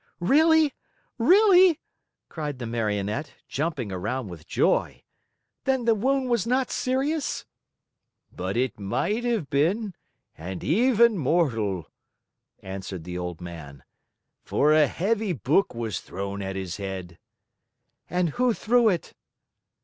"Really? Really?" cried the Marionette, jumping around with joy. "Then the wound was not serious?" "But it might have been and even mortal," answered the old man, "for a heavy book was thrown at his head." "And who threw it?"